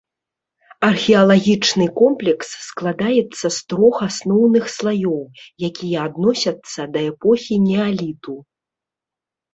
Археалагічны комплекс складаецца з трох асноўных слаёў, якія адносяцца да эпохі неаліту.